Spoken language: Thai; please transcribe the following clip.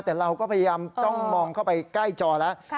แต่เราก็พยายามจ้องมองเข้าไปใกล้จอแล้ว